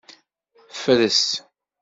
Fres.